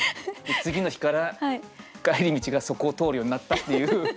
次の日から帰り道がそこを通るようになったっていう。